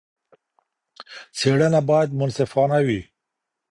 څېړنه بايد منصفانه وي.